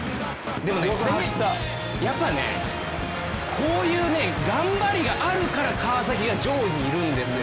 でも、これやっぱりこういう頑張りがあるから川崎が上位にいるんですよ。